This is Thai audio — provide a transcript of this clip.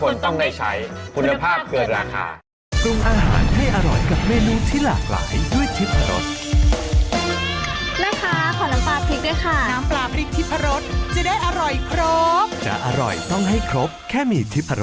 อย่าติดตามที่ทุกคนต้องได้ใช้